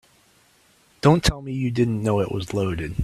Don't tell me you didn't know it was loaded.